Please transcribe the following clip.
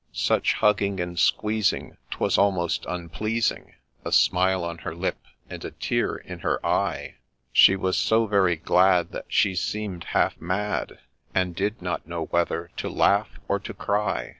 Such hugging and squeezing ! 'twas almost unpleasing, A smile on her lip, and a tear in her eye '; She was so very glad, that she seem'd half mad, And did not know whether to laugh or to cry.